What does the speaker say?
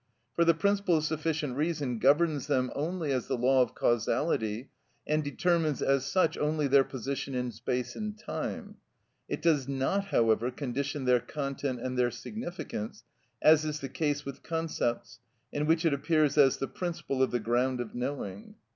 For the principle of sufficient reason governs them only as the law of causality, and determines as such only their position in space and time; it does not, however, condition their content and their significance, as is the case with concepts, in which it appears as the principle of the ground of knowing.